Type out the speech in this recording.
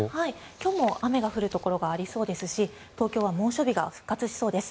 今日も雨が降るところがありそうですし東京は猛暑日が復活しそうです。